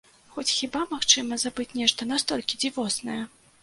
Хоць хіба магчыма забыць нешта настолькі дзівоснае?